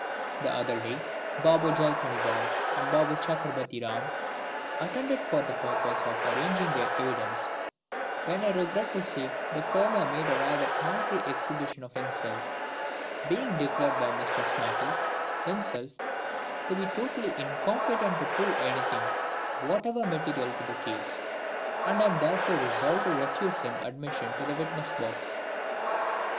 [Illustration: BABOO CHUCKERBUTTY RAM.] The other day, Baboo JALPANYBHOY and Baboo CHUCKERBUTTY RAM attended for the purpose of arranging their evidence, when I regret to say the former made a rather paltry exhibition of himself, being declared by Mr SMARTLE himself to be totally incompetent to prove anything whatever material to the case, and I am therefore resolved to refuse him admission to the witness box.